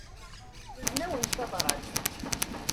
Tuzen-awen-d tabrat.